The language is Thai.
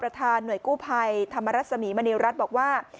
ประธานหน่วยกู้ภัยธรรมรัฐสมิมณีรัฐบอกว่า